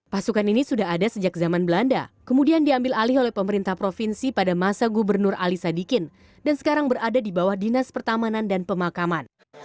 pasukan ini sudah ada sejak zaman belanda kemudian diambil alih oleh pemerintah provinsi pada masa gubernur ali sadikin dan sekarang berada di bawah dinas pertamanan dan pemakaman